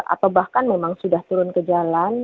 atau bahkan memang sudah turun ke jalan